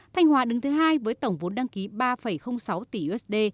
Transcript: thanh hóa đứng thứ hai với tổng vốn đăng ký ba sáu tỷ usd